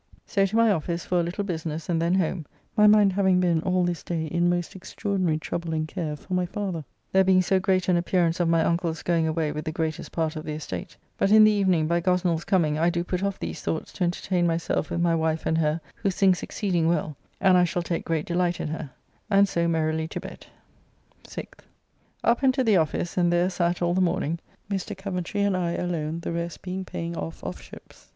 So to my office for a little business and then home, my mind having been all this day in most extraordinary trouble and care for my father, there being so great an appearance of my uncle's going away with the greatest part of the estate, but in the evening by Gosnell's coming I do put off these thoughts to entertain myself with my wife and her, who sings exceeding well, and I shall take great delight in her, and so merrily to bed. 6th. Up and to the office, and there sat all the morning, Mr. Coventry and I alone, the rest being paying off of ships.